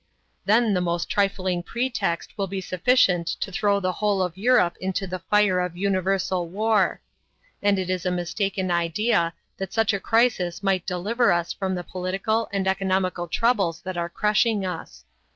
Then the most trifling pretext will be sufficient to throw the whole of Europe into the fire of universal war. And it is a mistaken idea that such a crisis might deliver us from the political and economical troubles that are crushing us.